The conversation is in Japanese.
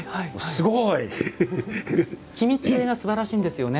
すごい！気密性がすばらしいんですよね。